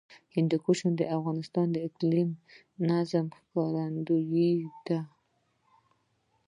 هندوکش د افغانستان د اقلیمي نظام ښکارندوی ده.